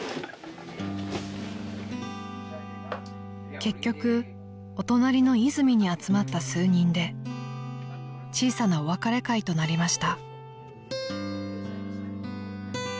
［結局お隣のいづみに集まった数人で小さなお別れ会となりました］